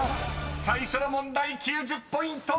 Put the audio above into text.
［最初の問題９０ポイント！］